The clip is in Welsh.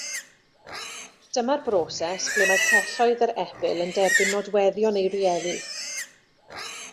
Dyma'r broses ble mae celloedd yr epil yn derbyn nodweddion ei rieni.